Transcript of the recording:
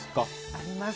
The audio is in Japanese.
あります。